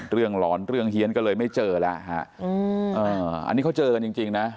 เรื่องร้อนเรื่องเฮียนก็เลยไม่เจอแล้วฮะอืมเอออันนี้เขาเจอกันจริงจริงน่ะ